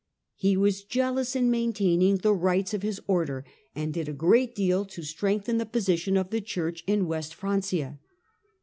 He was jealous in maintain ing the rights of his order, and did a good deal to strengthen the position of the Church in West Fran cia.